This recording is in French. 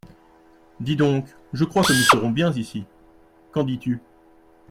Dis donc, je crois que nous serons bien ici… qu’en dis-tu ?